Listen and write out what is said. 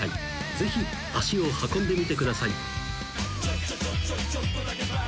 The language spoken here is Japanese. ［ぜひ足を運んでみてください］